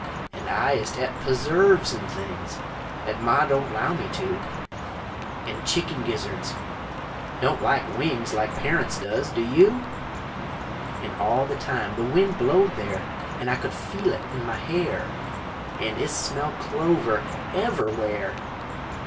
An' I ist et p'surves an' things 'At Ma don't 'low me to An' chickun gizzurds (don't like wings Like Parunts does! do you?) An' all the time, the wind blowed there, An' I could feel it in my hair, An' ist smell clover _ever'_where!